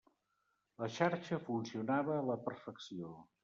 La xarxa funcionava a la perfecció.